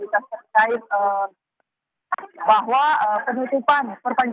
dan juga dari kota kota tersebut